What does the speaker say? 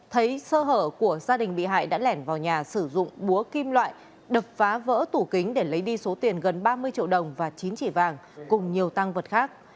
thấy sơ hở của gia đình bị hại đã lẻn vào nhà sử dụng búa kim loại đập phá vỡ tủ kính để lấy đi số tiền gần ba mươi triệu đồng và chín chỉ vàng cùng nhiều tăng vật khác